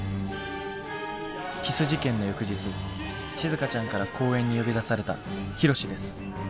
キス事件の翌日しずかちゃんから公園に呼び出されたヒロシです。